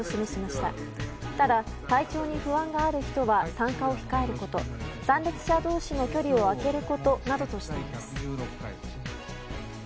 ただ、体調に不安がある人は参加を控えること参列者同士の距離を空けることなどとしています。